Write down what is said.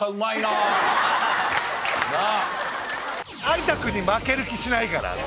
有田君に負ける気しないから。